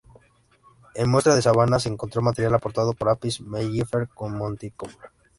En muestras de sabana se encontró material aportado por "Apis mellifera monticola".